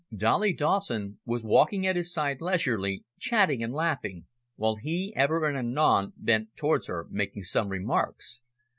Dolly Dawson was walking at his side leisurely, chatting and laughing, while he ever and anon bent towards her making some remarks.